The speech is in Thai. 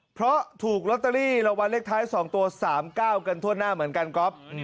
เพราะถูกลอตเตอรี่รางวัลเลขท้าย๒ตัว๓๙กันทั่วหน้าเหมือนกันก๊อฟ